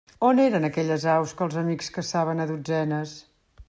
On eren aquelles aus que els amics caçaven a dotzenes?